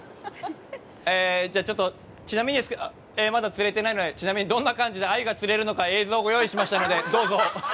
じゃあちょっとちなみにまだ釣れてないので、ちなみに、どんな感じで鮎が釣れるのか、映像をご用意しましたので、どうぞ。